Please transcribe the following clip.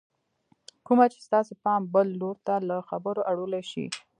کومه چې ستاسې پام بل لور ته له خبرو اړولی شي